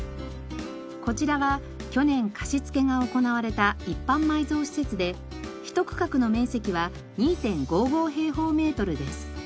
こちらは去年貸付けが行われた一般埋蔵施設で１区画の面積は２．５５平方メートルです。